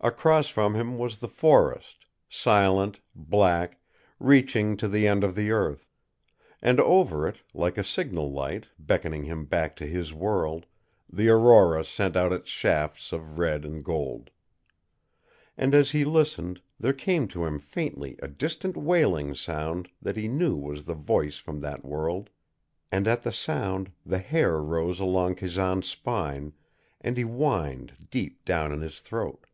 Across from him was the forest, silent, black, reaching to the end of the earth, and over it, like a signal light, beckoning him back to his world, the aurora sent out its shafts of red and gold. And as he listened there came to him faintly a distant wailing sound that he knew was the voice from that world, and at the sound the hair rose along Kazan's spine, and he whined deep down in his throat.